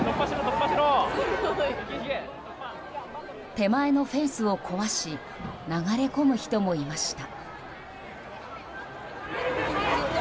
手前のフェンスを壊し流れ込む人もいました。